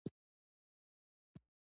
دوی سیاست د بهرنیو د پروژې په سترګه ګوري.